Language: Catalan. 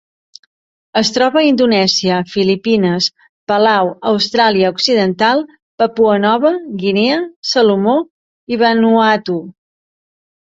Es troba a Indonèsia, Filipines, Palau, Austràlia Occidental, Papua Nova Guinea, Salomó i Vanuatu.